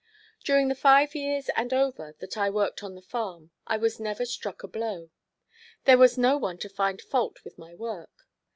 During the five years and over that I worked on the farm I was never struck a blow. There was no one to find fault with my work.